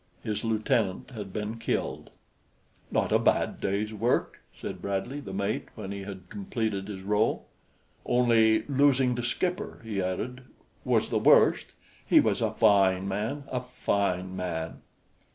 His lieutenant had been killed. "Not a bad day's work," said Bradley, the mate, when he had completed his roll. "Only losing the skipper," he added, "was the worst. He was a fine man, a fine man."